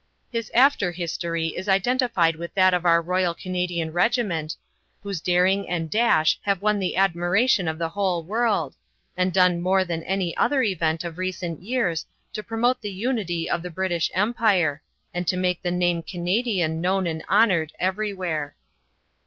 His after history is identified with that of our Royal Canadian Regiment, whose daring and dash have won the admiration of the whole world, and done more than any other event of recent years to promote the unity of the British Empire, and to make the name Canadian known and honored everywhere.